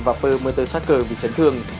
và per mertensacker bị chấn thương